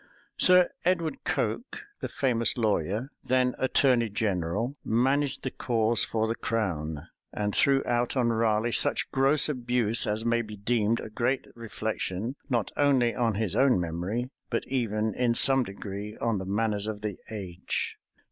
Sir Edward Coke, the famous lawyer, then attorney general, managed the cause for the crown, and threw out on Raleigh such gross abuse, as may be deemed a great reflection, not only on his own memory, but even, in some degree, on the manners of the age.